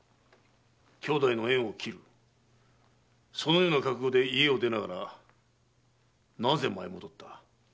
兄弟の縁を切るそのような覚悟で家を出ながらなぜ舞い戻った？